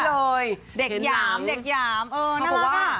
เด็กหยามเด็กหยามเออน่ารักค่ะ